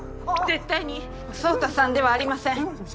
絶対に宗太さんではありません。